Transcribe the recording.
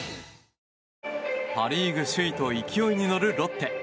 パ・リーグ首位と勢いに乗るロッテ。